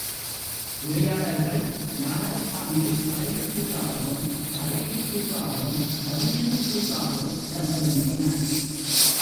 உரையாடல்கள் நாடகப்பாங்கில் தலைவன் கூற்றாகவும், தலைவி கூற்றாகவும், கவிஞன் கூற்றாகவும் இடம் பெறுகின்றன.